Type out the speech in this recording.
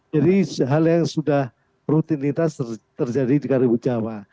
jadi hal yang sudah rutinitas terjadi di kalimantan jawa